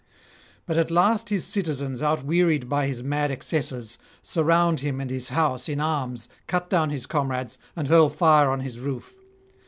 But at last his citizens, outwearied by his mad excesses, surround him and his house in arms, cut down his comrades, and hurl fire on his roof.